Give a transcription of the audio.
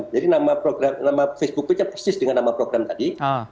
jadi nama facebook page nya persis dengan nama program tadi